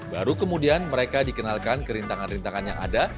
baru kemudian mereka dikenalkan kerintangan rintangan yang ada